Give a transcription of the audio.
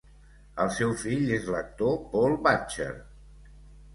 El seu fill és l'actor Paul Butcher.